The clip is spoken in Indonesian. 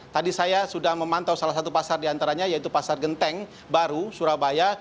tadi saya sudah memantau salah satu pasar diantaranya yaitu pasar genteng baru surabaya